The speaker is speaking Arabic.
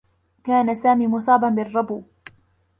كان سامي مصابا بالرّبو.